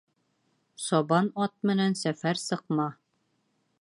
Сабан ат менән сәфәр сыҡма.